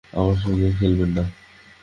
আমার সাথে খেলবেন না।